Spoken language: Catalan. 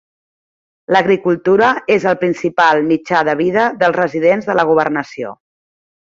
L'agricultura és el principal mitjà de vida dels residents de la governació.